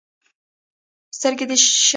سترګې د شکر وسیله ده